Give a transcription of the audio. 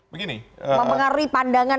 begini mempengaruhi pandangan